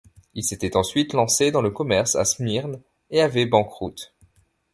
Il s'était ensuite lancé dans le commerce à Smyrne et avait banqueroute.